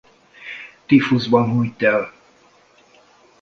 Tífuszban hunyt el.